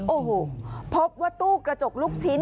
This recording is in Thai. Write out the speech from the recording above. โอ้โหพบว่าตู้กระจกลูกชิ้น